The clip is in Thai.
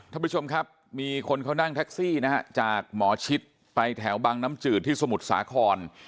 ท่านผู้ชมครับมีคนเขานั่งแท็กซี่นะฮะจากหมอชิดไปแถวบังน้ำจืดที่สมุทรสาคร